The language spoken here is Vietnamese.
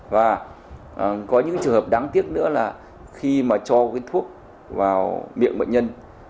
và có những trường hợp đáng tiếc nữa là khi mà cho cái thuốc vào miệng bệnh nhân